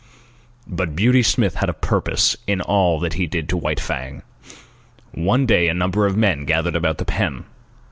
But Beauty Smith had a purpose in all that he did to White Fang. One day a number of men gathered about the pen.